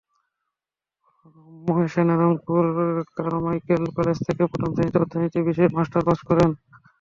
Mohsena Rangpur Carmichael college থেকে প্রথম শ্রেণিতে অর্থনীতি বিষয়ে মাস্টার্স পাস করেছেন।